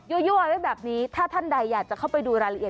เอาไว้แบบนี้ถ้าท่านใดอยากจะเข้าไปดูรายละเอียด